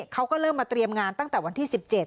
เขาก็เริ่มมาเตรียมงานตั้งแต่วันที่๑๗